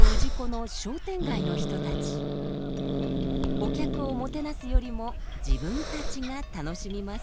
お客をもてなすよりも自分たちが楽しみます。